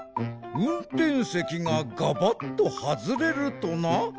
うんてんせきがガバッとはずれるとな？